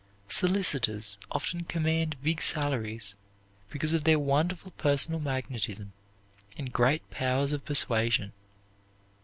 Solicitors often command big salaries because of their wonderful personal magnetism and great powers of persuasion.